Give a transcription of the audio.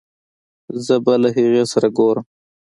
زه به له هغې سره ګورم